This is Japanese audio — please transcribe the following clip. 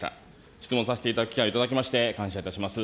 質問させていただく機会をいただきまして、感謝いたします。